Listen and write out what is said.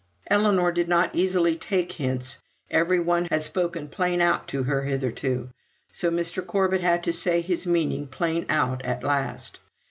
Ellinor did not easily take hints; every one had spoken plain out to her hitherto; so Mr. Corbet had to say his meaning plain out at last.